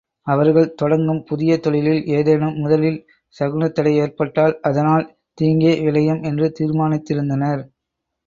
அவர்கள் தொடங்கும் புதிய தொழிலில் ஏதேனும் முதலில் சகுனத்தடை ஏற்பட்டால் அதனால் தீங்கே விளையும் என்று தீர்மானித்திருந்தனர்.